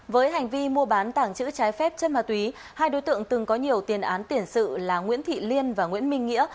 với hành vi mua bán tảng chữ trái phép chất ma túy hai đối tượng từng có nhiều tiền án tiền sự là nguyễn thị liên và nguyễn minh nghĩa